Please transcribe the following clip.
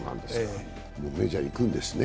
メジャー行くんですね？